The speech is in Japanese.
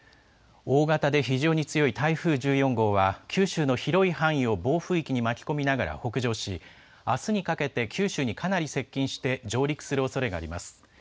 大型で非常に強い台風１４号は、九州の広い範囲を暴風域に巻き込みながら北上し、あすにかけて九州にかなり接近して、上陸するおそれがあります。